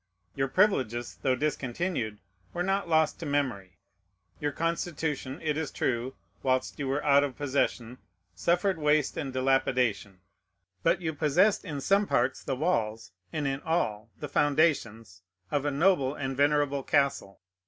Your privileges, though discontinued, were not lost to memory. Your Constitution, it is true, whilst you were out of possession, suffered waste and dilapidation; but you possessed in some parts the walls, and in all the foundations, of a noble and venerable castle.